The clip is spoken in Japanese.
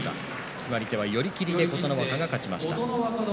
決まり手は寄り切りで琴ノ若が勝ちました。